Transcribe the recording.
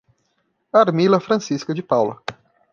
Armila Francisca de Paula